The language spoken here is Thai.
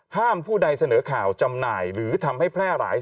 ผู้ใดเสนอข่าวจำหน่ายหรือทำให้แพร่หลาย